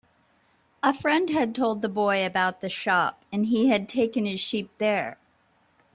A friend had told the boy about the shop, and he had taken his sheep there.